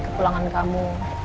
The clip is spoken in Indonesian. ke pulangan kamu